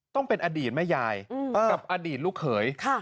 ต้องเป็นอดีตแม่ยายกับอดีตลูกเขย